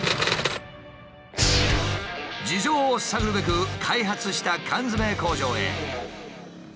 事情を探るべく開発した缶詰工場へ。